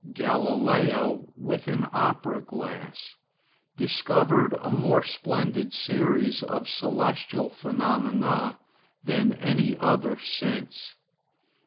Galileo, with an opera glass, discovered a more splendid series of celestial phenomena than any one since.